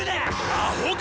アホか！